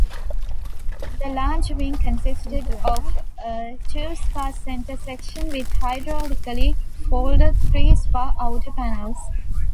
The large wing consisted of a two-spar center section with hydraulically-folded three-spar outer panels.